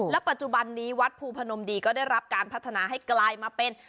ปัจจุบันนี้วัดภูพนมดีก็ได้รับการพัฒนาให้กลายมาเป็น